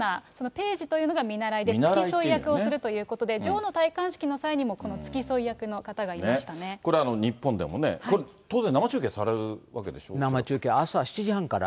ページというのが見習いで、付き添いをするということで、女王の戴冠式の際にも、この付き添これ、日本でもね、当然、生中継、朝７時半から。